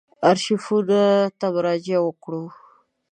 آرشیفونو ته مراجعه وکړو.